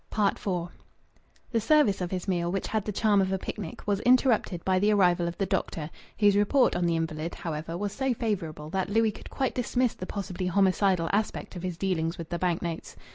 IV The service of his meal, which had the charm of a picnic, was interrupted by the arrival of the doctor, whose report on the invalid, however, was so favourable that Louis could quite dismiss the possibly homicidal aspect of his dealings with the bank notes.